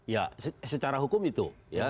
ya secara hukum itu